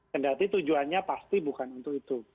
tentu saja tujuannya pasti bukan untuk itu